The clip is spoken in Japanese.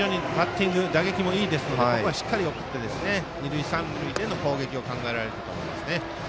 君打撃もいいですのでここはしっかり送って二塁三塁での攻撃が考えられるかと思いますね。